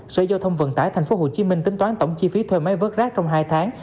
sở giao thông vận tải tp hcm tính toán tổng chi phí thuê máy vớt rác trong hai tháng